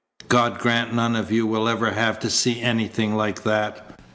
God grant none of you will ever have to see anything like that.